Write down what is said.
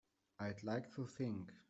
I'd like to think.